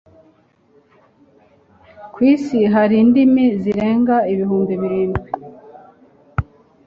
ku isi hari indimi zirenga ibihumbi birindwi